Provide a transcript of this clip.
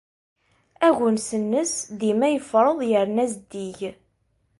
Agens-nnes dima yefreḍ yerna zeddig.